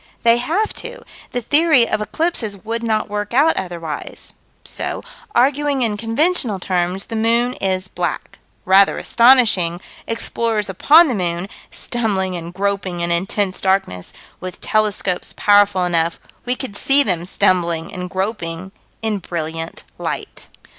They have to: the theory of eclipses would not work out otherwise. So, arguing in conventional terms, the moon is black. Rather astonishing explorers upon the moon stumbling and groping in intense darkness with telescopes powerful enough, we could see them stumbling and groping in brilliant light.